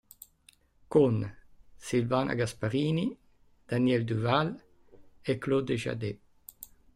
Con: Silvana Gasparini, Daniel Duval, Claude Jade.